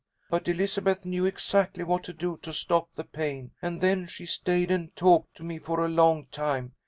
But Elizabeth knew exactly what to do to stop the pain, and then she stayed and talked to me for a long time.